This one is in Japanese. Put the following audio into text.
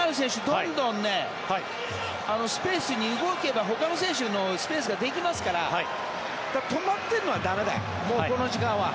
どんどんスペースに動けばほかの選手のスペースができますから止まっているのは駄目だよもうこの時間は。